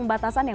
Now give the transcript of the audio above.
kemarin ada ppkm